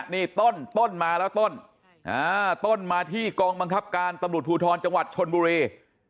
นี่ต้นต้นมาแล้วต้นต้นมาที่กองบังคับการตำรวจภูทรจังหวัดชนบุรี